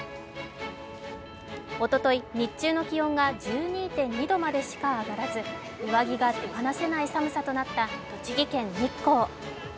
おととい、日中の気温が１２．２度までしか上がらず上着が手放せない寒さとなった栃木県日光。